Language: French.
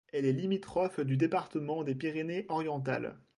Elle est limitrophe du département des Pyrénées-Orientales.